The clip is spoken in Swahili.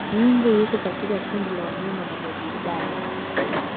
Nyumbu yuko katika kundi la wanyama la Bovidae